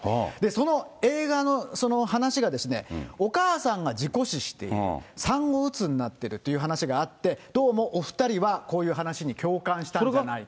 その映画の話が、お母さんが事故死している、産後うつになっているという話があって、どうもお２人は、こういう話に共感したんじゃないか。